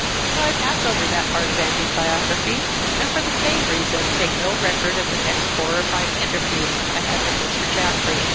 So I pass over that part of Andy's biography, and for the same reason make no record of the next four or five interviews I had with Mr. Jaffrey.